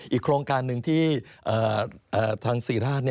โครงการหนึ่งที่ทางศรีราช